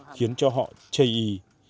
khiến cho họ chây ý